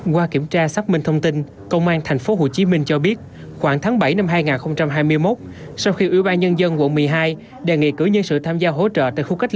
qua kiểm tra